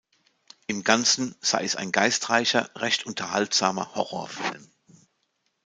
Im Ganzen sei es ein „geistreicher, recht unterhaltsamer“ Horrorfilm.